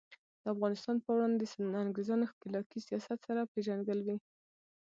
د افغانستان په وړاندې د انګریزانو ښکیلاکي سیاست سره پیژندګلوي.